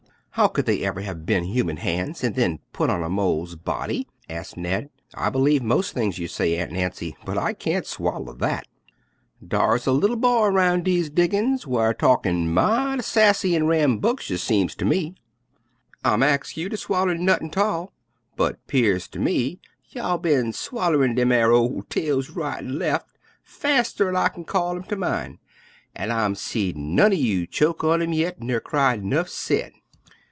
"How could they ever have been human hands and then been put on a mole's body?" asked Ned. "I believe most things you say, Aunt Nancy, but I can't swallow that." "Dar's a li'l boy roun' dese diggin's whar talkin' mighty sassy an' rambunkshus, seem ter me. I am' ax you ter swoller nuttin' 't all, but 'pears ter me y'all bin swollerin' dem 'ar ol' tales right an' lef, faster'n' I kin call 'em ter min', an' I am' seed none er you choke on 'em yit, ner cry, 'nuff said.